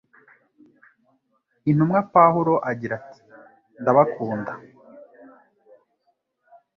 Intumwa Pawulo agira ati, ndabakunda “